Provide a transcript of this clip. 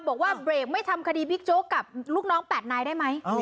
บอกว่าเบรกไม่ทำคดีบิ๊กโจ๊กกับลูกน้อง๘นายได้ไหม